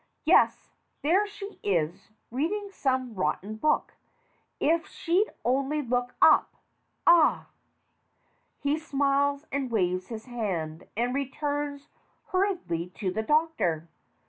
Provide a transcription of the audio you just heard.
Yes, there she is, reading some rotten book. If she'd only look up ah! (He smiles and waves his hand, and returns hur riedly to the DOCTOR.